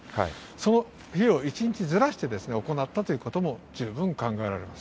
その日を１日ずらして行ったということも十分考えられます。